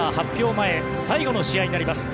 前最後の試合になります。